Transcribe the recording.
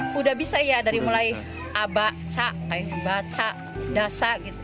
sudah bisa ya dari mulai aba cak kayak baca dasa gitu